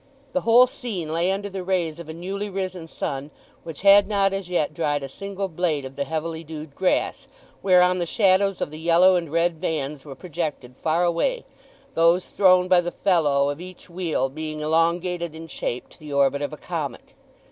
The whole scene lay under the rays of a newly risen sun, which had not as yet dried a single blade of the heavily dewed grass, whereon the shadows of the yellow and red vans were projected far away, those thrown by the felloe of each wheel being elongated in shape to the orbit of a comet.